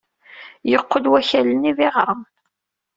Yeqqel wakal-nni d iɣrem.